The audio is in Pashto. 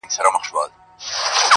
o په درنو دروند، په سپکو سپک.